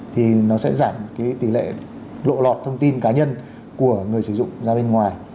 thì nó sẽ giảm cái tỷ lệ lộ lọt thông tin cá nhân của người sử dụng ra bên ngoài